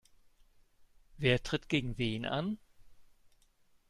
Wer tritt gegen wen an?